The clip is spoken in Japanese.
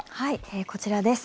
こちらです。